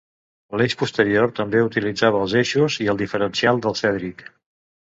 L'eix posterior també utilitzava els eixos i el diferencial del Cedric.